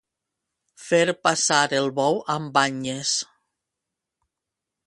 Fer passar el bou amb banyes.